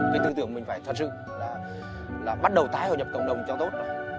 cái tư tưởng mình phải thật sự là bắt đầu tái hội nhập cộng đồng cho tốt